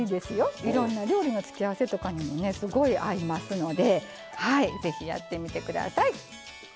いろんな料理の付け合わせとかにすごい合いますのでぜひやってみてください。